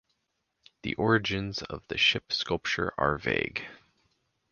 The origins of the ship sculpture are vague.